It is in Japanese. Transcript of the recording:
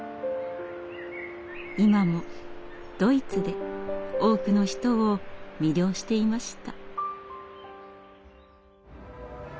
今もドイツで多くの人を魅了していました。